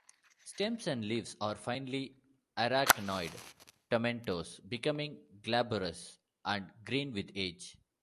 Stems and leaves are finely arachnoid-tomentose becoming glabrous and green with age.